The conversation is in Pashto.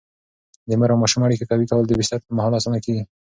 د مور او ماشوم اړیکه قوي کول د بستر پر مهال اسانه کېږي.